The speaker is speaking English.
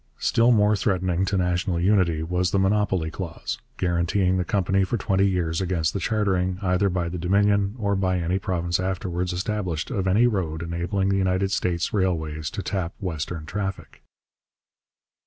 Still more threatening to national unity was the monopoly clause, guaranteeing the company for twenty years against the chartering, either by the Dominion or by any province afterwards established, of any road enabling United States railways to tap western traffic.